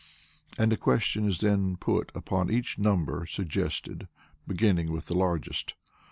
and a question is then put upon each number suggested, beginning with the largest.